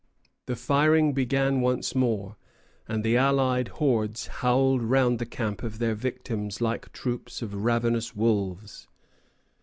The firing began once more, and the allied hordes howled round the camp of their victims like troops of ravenous wolves.